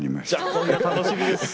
今夜楽しみです！